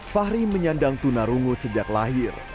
fahri menyandang tuna rungu sejak lahir